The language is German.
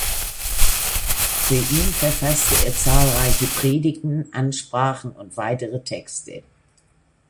Für ihn verfasste er zahlreiche Predigten, Ansprachen und weitere Texte.